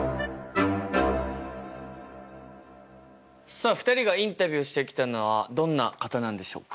さあ２人がインタビューしてきたのはどんな方なんでしょうか？